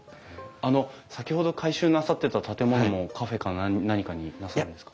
あの先ほど改修なさってた建物もカフェか何かになさるんですか？